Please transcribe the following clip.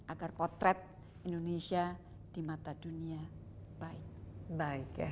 agar potret indonesia di mata dunia baik baik